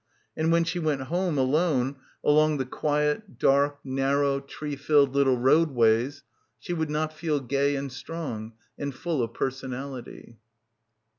And when she went home alone along the quiet, dark, narrow, tree filled little roadways she would not feel gay and strong and full of personality.